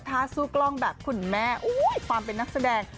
ถ้าสู้กล้องแบบคุณแม่ความเป็นนักแสดง